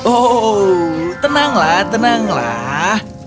oh tenanglah tenanglah